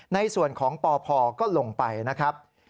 ในส่วนของปพก็ลงไปนะครับ